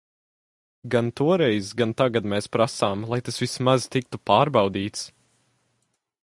Gan toreiz, gan tagad mēs prasām, lai tas vismaz tiktu pārbaudīts.